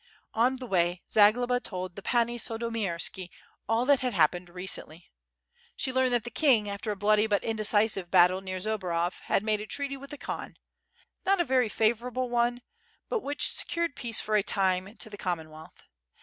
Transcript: On the way Zagloba told the Pani Sandomierska all that had happened recently. She learned that the king after a bloody but indecisive battle, near Zborov had made a treaty with the Khan, not a very favor able one, but which secured peace for a time to the Com mon wealth.